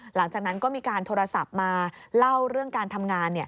หลังจากนั้นก็มีการโทรศัพท์มาเล่าเรื่องการทำงาน